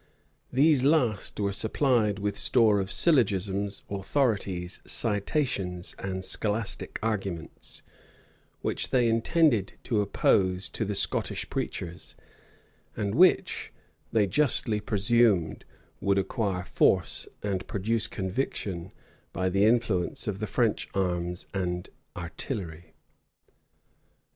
These last were supplied with store of syllogisms, authorities, citations, and scholastic arguments, which they intended to oppose to the Scottish preachers, and which, they justly presumed, would acquire force, and produce conviction, by the influence of the French arms and artillery.